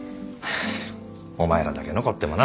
あお前らだけ残ってもな。